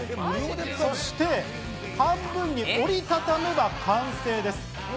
そして半分に折りたためば完成です。